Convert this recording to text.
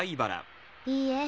いいえ